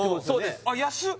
安っ！